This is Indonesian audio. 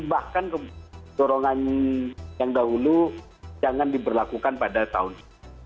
bahkan dorongan yang dahulu jangan diberlakukan pada tahun ini